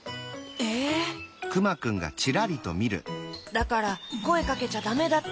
だからこえかけちゃダメだって。